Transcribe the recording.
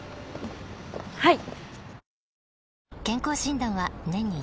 はい！